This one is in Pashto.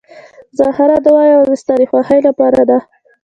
زما هره دعا یوازې ستا د خوښۍ لپاره ده.